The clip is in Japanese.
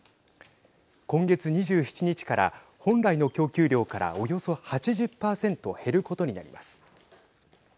今月２７日から本来の供給量からおよそ８０％減ることになります。